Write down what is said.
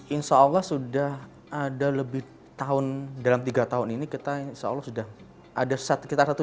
insya allah sudah ada lebih tahun dalam tiga tahun ini kita insya allah sudah ada sekitar